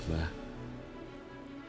pada saat siva bergedit